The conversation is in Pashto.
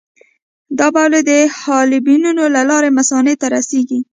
دا بولې د حالبینو له لارې مثانې ته رسېږي.